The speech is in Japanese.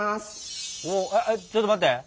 ちょっと待って。